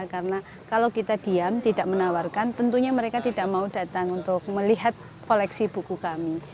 karena kalau kita diam tidak menawarkan tentunya mereka tidak mau datang untuk melihat koleksi buku kami